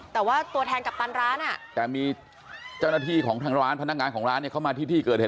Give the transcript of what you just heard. แต่ว่าตัวแทนกัปตันร้านแต่มีเจ้าหน้าที่ของทางร้านพนักงานของร้านเนี่ยเข้ามาที่ที่เกิดเหตุ